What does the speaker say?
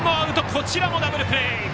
こちらもダブルプレー！